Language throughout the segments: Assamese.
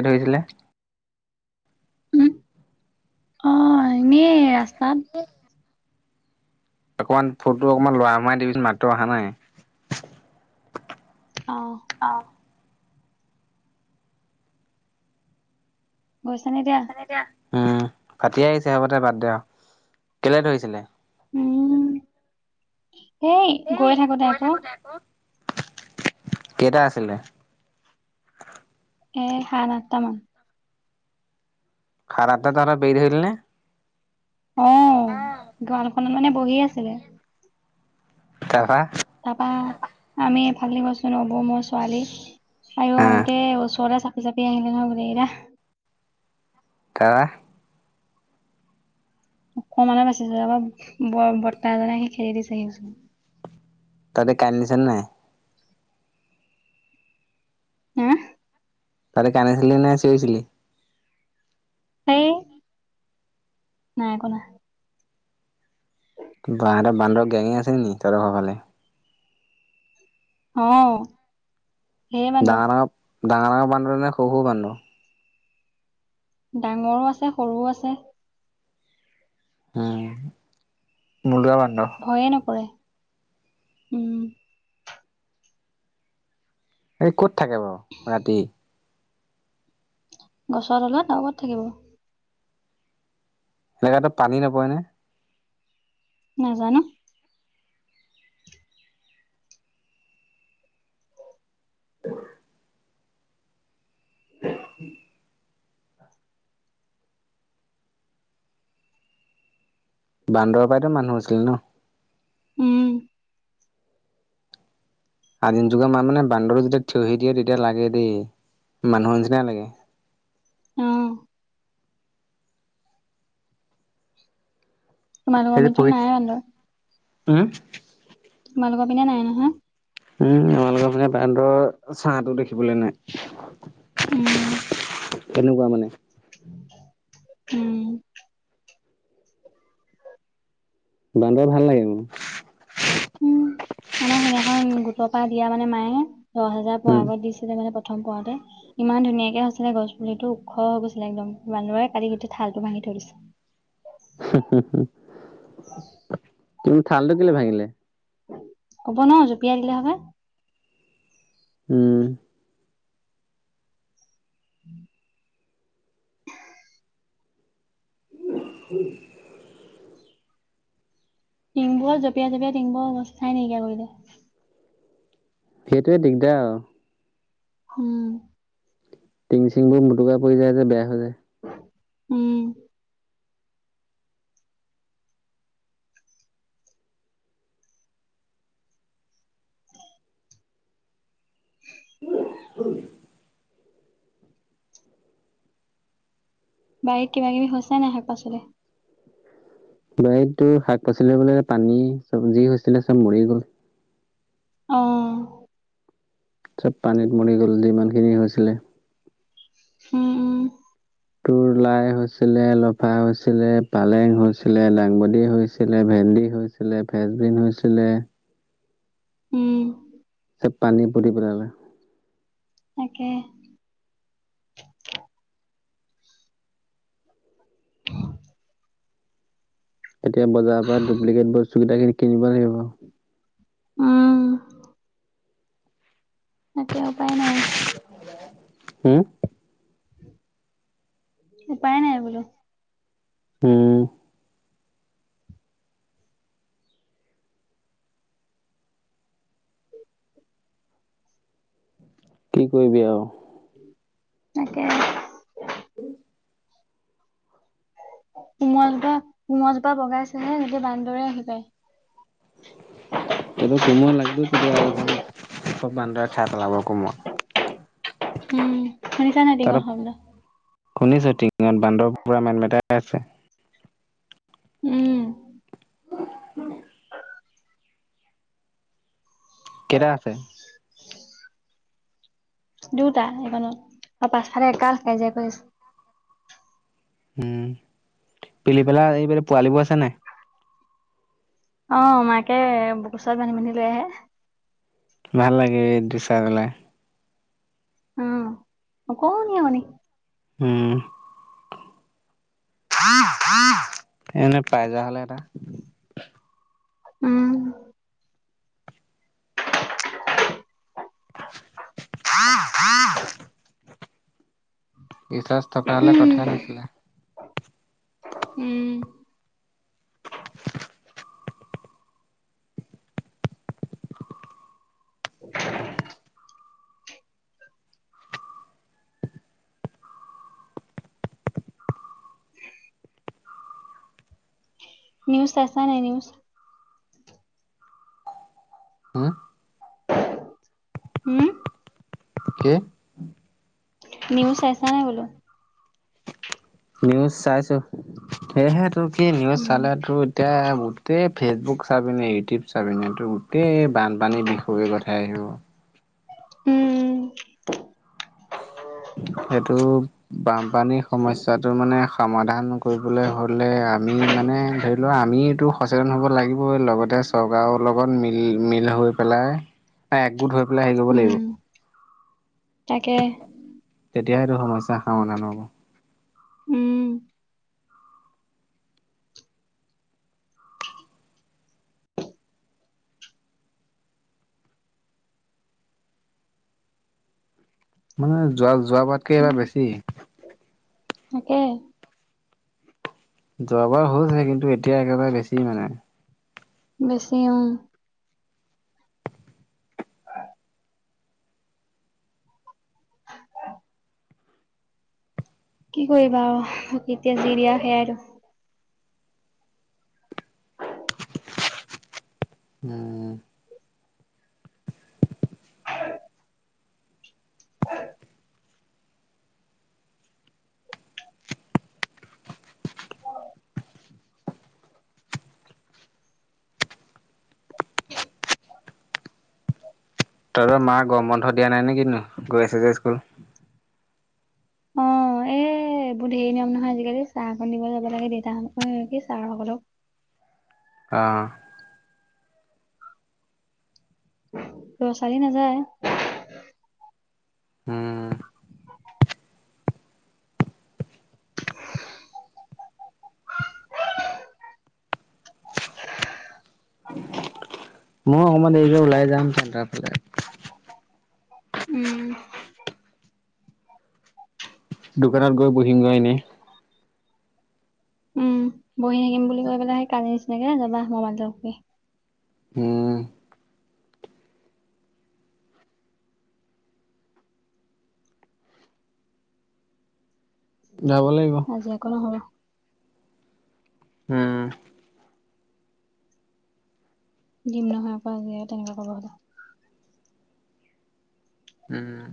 ধৰিছিলে উম অ এনেই ৰাস্তাত অকণমান ফোনটো অকণমান লৰাই মৰাই দিবি চোন মাতটো অহা নাই অ গৈছানে এতিয়া? উম, ফাটি আহিছে হবদে বাদ দে কেলে ধৰিছিলে উম, সেই গৈ থাকোতে আকৌ কেইটা আছিলেঁ এ, সাত আঠটা মান ভাৰাটোত আৰু বেল হলনে অ ৱাল কনচেং বহি আছে তাৰ পা তাপা আমি এইফালে দি গৈছোঁ নবৌ, মাই, ছোৱালী আৰু হা গোতে ওচৰ যাপি আহিবি ন গোটেই কেইটা তাপা অকমানে বাচিছো ব বট্টা এজনে আহি খেদি দিছে তাতে কাৰেন্ট দিছে নাই [inaudible] তহঁতে কান্দিছিলি নে চিঞৰিছিলি? হেই, নাই কন্দা। বাহঁতৰ বান্দৰ গেং আছে নেকি [unintelligible] অ' ধেৰ বান্দৰ ডাঙৰ ডাঙৰ, ডাঙৰ ডাঙৰ বান্দৰ নে সৰু সৰু বান্দৰ? ডাঙৰো আছে সৰুও আছে উম, মলোৱা বান্দৰ! ভয়ে নকৰে! উম এই ক'ত থাকে বাৰু ৰাতি? গছৰ ডালত, আৰু ক'ত থাকিব! সেহেঁতৰ [unintelligible] পানী নপৰেনে? নেজানো। [inaudible] বান্দৰৰ পৰাইতো মানুহ হৈছিল ন? উম আদিম যুগৰ মা মানে বান্দৰটো যেতিয়া থিয়হি দিয়ে, তেতিয়া লাগে দেই, মানুহৰ নিচিনাই লাগে। উম তোমালোকৰ সেই যে পিনেতো পৰি নাই বান্দৰ? উম তোমালোকৰ পিনে নাই নহয়? উম, আমালোকৰ পিনে বান্দৰৰ ছাঁটোও দেখিবলে নাই। উম, তেনেকুৱা মানে উম উম বান্দৰ ভাল লাগে মোৰ। উম। আমাৰ সেইদিনাখন, গোটৰ পৰা দিয়া মানে মায়ে, দহ হেজাৰ পোৱাৰ উম, আগত দিছিলে নহয় প্ৰথম পাওঁতে ইমান ধুনীয়াকে হৈছিলে গছ পুলিটো, ওখ হৈ গৈছিলে একদম, বান্দৰে কালি গোটেই ঠালটো ভাঙি থৈ দিছে। কিন্তু ঠালটো কেলে ভাঙিলে? ক'ব নোৱাৰো, জপিয়াই দিলে [unintelligible] উম [inaudible] [inaudible] [inaudible] টিংবোৰত জঁপিয়াই জঁপিয়াই টিংবোৰৰ অৱস্থাই নাইকিয়া কৰিলে। সেইটোৱে দিগদাৰ আৰু উম টিং চিংবোৰ মোটোকা পৰি যায় যে, বেয়া হৈ যায়। উম [inaudible] বাৰীত কিবা কিবি হৈছে নাই শাক পাচলি? বাৰীতটো শাক পাচলি [unintelligible] পানী, চব্জি হৈছিলে চব মৰি গ'ল। অ' চব পানীত মৰি গ'ল [unintelligible] হৈছিলে। উম তোৰ লাই হৈছিলে, লফা হৈছিলে, পালেং হৈছিলে, লাংবাদী হৈছিলে, ভেন্দি হৈছ ছিলে ফেচবিন হৈছিলে। উম। চব পানী পুতি পেলালে। তাকে। এতিয়া বজাৰৰ পৰা ডুপ্লিকেট বস্তু কেইটা [unintelligible] কিনিব লাগিব। উম। তাকে উপায় নাই আৰু। হম? উপায় নাই বোলো। উম। কি কৰিবি আৰু। তাকে। [inaudible] সোমোৱা জোতা, সোমোৱা জোতা বগাইছেহে এতিয়া বান্দৰে আহি পায়। [unintelligible] [inaudible] তহঁতৰ কোমৰা [unintelligible] তেতিয়া দেখোন চব বান্দৰে খাই পেলাব কোমোৰা। [unintelligible] [inaudible] উম, সেইকাৰণে টিঙৰ শব্দ। শুনিছো টিঙত বান্দৰে পুৰা মেটমেটাই আছে। উম। [inaudible] কেইটা আছে? দুটা এইখনত আৰু পাছফালে একাল কাজিয়া কৰি আছে। হম, পিলি পেলা এইবেলি পোৱালীবোৰ আছে নাই? অ', মাইকে [unintelligible] ওচৰ বান্ধি বান্ধি লৈ আহে। ভাল লাগে এইটো চাই পেলাই। অ', অকণি অকণি। হম। এনে পাই যোৱা হ'লে এটা। উম। [inaudible] ৰিছাৰ্ছ থকা হ'লে, উম কথাই নাছিলে। উম। নিউজ চাইছা নাই, নিউজ? অ। উম। কি? নিউজ চাইছা নাই, বোলো? নিউজ চাইছোঁ, সেয়েহে তোৰ কি নিউজ উম চালে তোৰ এতিয়া বুট টেই ফেচবুক চাবিনে, ইউটিউব চাবিনে, তো গোটেই বানপানী বিষয়ে কথা আহিব। উম, উম। সেইটো বানপানীৰ সমস্যাটোৰ মানে সমাধান কৰিবলৈ হ'লে, আমি মানে ধৰি লোৱা আমিতো সচেতন হ'ব লাগিবই। লগতে চৰকাৰৰ লগত মিলি, মিল হৈ পেলাই একগোট হৈ পেলাই, হেৰি কৰিব উম লাগিব। তাকে। তেতিয়াহে, তোৰ সমস্যা সমাধান হ'ব। উম উম, যোৱা যোৱাবাৰতক এইবাৰ বেছি। তাকে। যোৱাবাৰ হৈছে, কিন্তু এতিয়া একেবাৰে বেছি নাই। বেছি উম। [unintelligible] কি কৰিবা এতিয়া যি দিয়া সেয়াই আৰু। উম। তহঁতৰ মা, গৰম বন্ধ দিয়া নাই নে কিতোনো, গৈ আছে যে স্কুল? অ' এ, এইবোৰ ধেই নিয়ম নহয় আজিকালি, চাহ অকণ দিব যাব লাগে দেউতাহ এ কি ছাৰ সকলক। অঁ লৰা ছোৱালি নাযায়। উম। মইও অকণমান দেৰিকে ওলাই যাম চেণ্টাৰ ফালে। উম। দোকানত গৈ বহিম গৈ এনেই। উম, বহি থাকিম বুলি কৈ পেলাই, সেই কালি নিচিনাকে যাবা মোবাইলটো টিপি। উম। যাব লাগিব। আজি আকৌ নহল। উম। দিম নহয় আকৌ, আজি তেনেকুৱা কৰিব হ'লে। উম,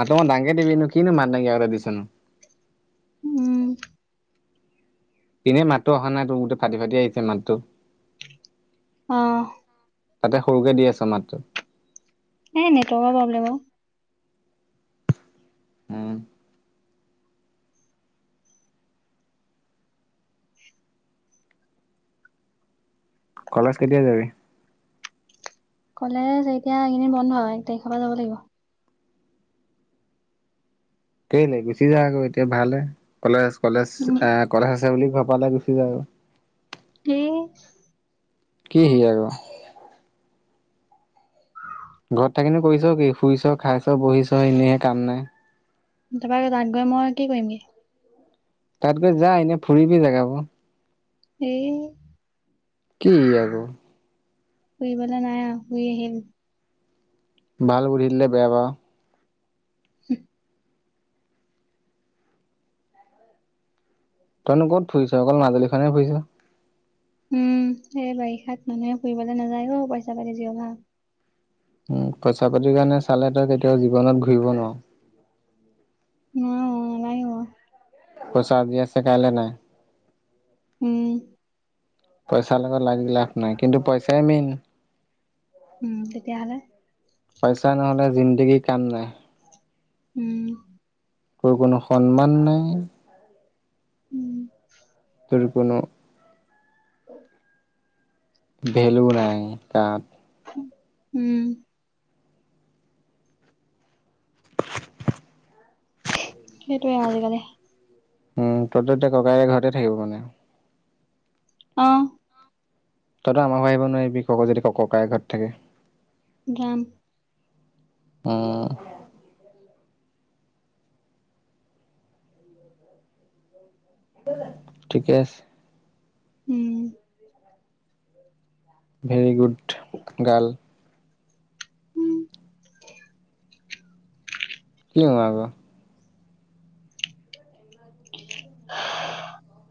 মাতটো অকণমান ডাঙৰকৈ দিবিনো, কিনো মাত নাইকিয়াকে দিছ নো। উম। এনেই মাতটো অহা নাই, তোৰ গোটেই ফাটি ফাটি আহিছে মাতটো। অঁ। তাতে সৰুকে দি আছ মাতটো। এই নেটৱৰ্কৰ প্ৰব্লেম ঔ। উম কলেজ কেতিয়া যাবি? কলেজ এতিয়া এইকেইদিন বন্ধ, এক তাৰিখৰ পৰা যাব লাগিব। কেইলে গুচি যা আকৌ এতিয়া ভাল হে কলেজ কলেজ উম, এ কথা আছে বুলি ঘৰৰ পৰা ওলাই গুচি যা। কি? কি হি আক? ঘৰত থাকি নু কৰিছ কি শুইছ খাইছ বহিছ এনেই কাম নাই। তাৰ পৰা আৰু তাত গৈ মই কি কৰিম গে? তাত গৈ যা, এনেই ফুৰিবি জেগাবোৰ। হি কি হি আক? ফুৰিবলৈ নাই আও ফুৰি আহিম। ভাল বুদ্ধি দিলে বেয়া পাও। উ তইনো কত ফুৰিছ অকল মাজুলীখন হে ফুৰিছ উম এই বাৰিষাত মানুহে ফুৰিবলৈ নাযায় অ পইচা পাতিৰ যি অভাৱ উ পইচা পাতিৰ কাৰণে চালে তই কেতিয়াও জীৱনত ঘূৰিব নোৱাৰ উ হু নাযাইও পইছা আজি আছে কাইলে নাই উম পইছাৰ লগত লাগি লাভ নাই কিন্তু পইছাএ মেইন উম তেতিয়াহ'লে পইছা নহলে জিন্দেগীত কাম নাই উম তোৰ কোনো সন্মান নাই উম তোৰ কোনো ভেলু নাই তাত উম হেটোৱে আজিকালি উম তোৰতো এতিয়া ককায়েৰে ঘৰতে থাকিব মানে অ তইতো আমাৰ ঘৰ আহিব নোৱাৰিবি কক যদি ককায়ে ঘৰত থাকে গাম উম ঠিকে আছে উম ভেৰি গুড গাৰ্ল উম কি উ আকৌ [unintelligible] [inaudible]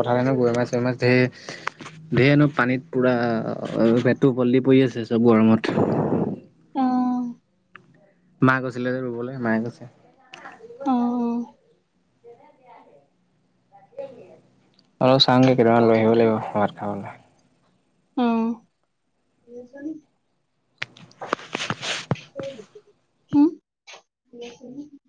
পথাৰত এনে গৈৰৈ মাছ চৰৈ মাছ ধেৰ ঢেৰনো পানীত পুৰা পেটটো উপৰলে দি পৰি আছে চব গৰমত অ মা গৈছিলে যে ৰুবলৈ মায়ে কৈছে অ', অ', অলপ চাওঁগে কেইটামান লৈ আহিব লাগিব ভাত খাবলৈ অ হম